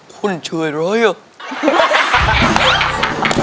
คุณชื่อยร้อยอะ